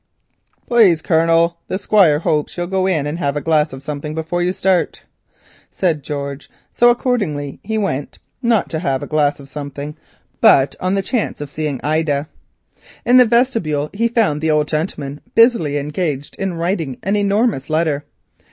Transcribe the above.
"Please, Colonel, the Squire hopes you'll go in and have a glass of summut before you start," said George; so accordingly he went, not to "have a glass of summut," but on the chance of seeing Ida. In the vestibule he found the old gentleman busily engaged in writing an enormous letter.